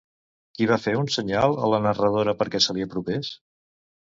Qui va fer un senyal a la narradora perquè se li apropés?